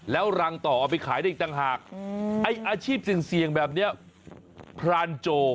แล้วรังต่อเอาไปขายได้อีกต่างหากไอ้อาชีพเสี่ยงแบบนี้พรานโจ